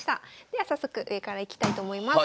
では早速上からいきたいと思います。